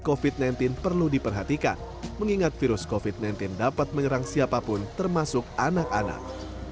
covid sembilan belas perlu diperhatikan mengingat virus covid sembilan belas dapat menyerang siapapun termasuk anak anak